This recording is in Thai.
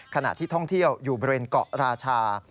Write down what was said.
ขณะที่ท่องเที่ยวอยู่บริเวณเกาะราชา